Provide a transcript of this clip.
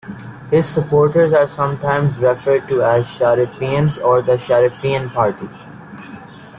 His supporters are sometimes referred to as "Sharifians" or the "Sharifian party".